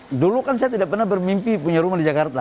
nah dulu kan saya tidak pernah bermimpi punya rumah di jakarta